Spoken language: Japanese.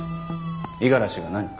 五十嵐が何か？